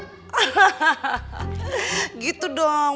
hahaha gitu dong